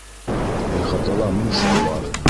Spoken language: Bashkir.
Ихатала мунса бар